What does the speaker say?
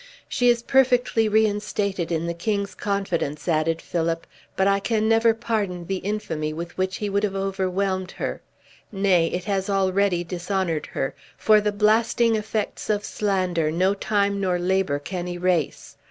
"She is perfectly reinstated in the king's confidence," added Philip, "but I can never pardon the infamy with which he would have overwhelmed her; nay, it has already dishonored her, for the blasting effects of slander no time nor labor can erase.